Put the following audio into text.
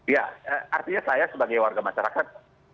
ya artinya saya sebagai warga masyarakat